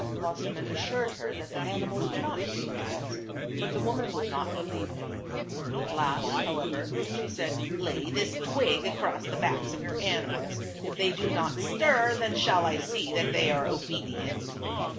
Wassermann assured her that the animals were not dangerous, but the woman would not believe him. At last, however, she said, "Lay this twig across the backs of your animals. If they do not stir, then shall I see that they are obedient."